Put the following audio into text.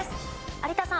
有田さん。